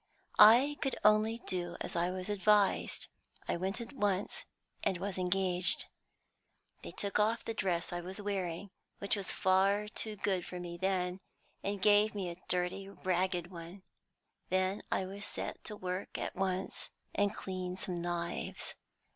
I could only do as I was advised; I went at once, and was engaged. They took off the dress I was wearing, which was far too good for me then, and gave me a dirty, ragged one; then I was set to work at once to clean some knives.